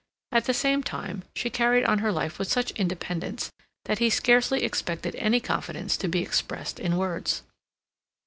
At the same time, she carried on her life with such independence that he scarcely expected any confidence to be expressed in words.